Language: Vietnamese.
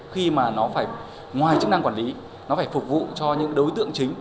khi mà nó phải ngoài chức năng quản lý nó phải phục vụ cho những đối tượng chính